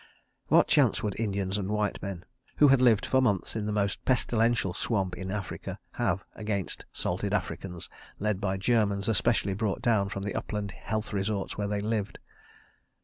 What chance would Indians and white men, who had lived for months in the most pestilential swamp in Africa, have against salted Africans led by Germans especially brought down from the upland health resorts where they lived?